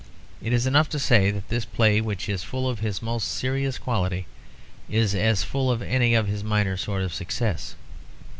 It is enough to say that this play which is full of his most serious quality is as full as any of his minor sort of success.